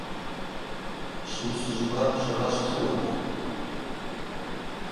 Швуыс жвба швара швтшыуандырпӏ.